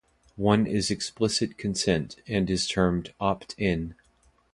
One is explicit consent and is termed "opt-in".